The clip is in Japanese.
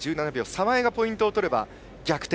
澤江がポイントを取れば逆転。